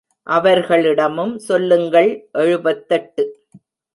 அவர்களிடமும் சொல்லுங்கள் எழுபத்தெட்டு.